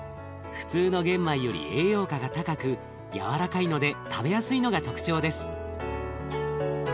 普通の玄米より栄養価が高く軟らかいので食べやすいのが特徴です。